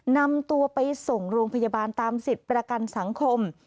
นำตัวไปส่งโรงพยาบาลตามสิทธิ์ประกันสังคม